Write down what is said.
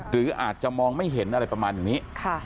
หรืออาจจะมองไม่เห็นอะไรประมาณอย่างนี้